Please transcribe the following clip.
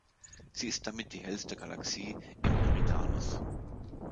Sie ist damit die hellste Galaxie im Eridanus.